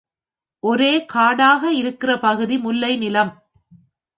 ஒரே காடாக இருக்கிற பகுதி முல்லை நிலம்.